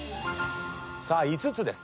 さあ５つです。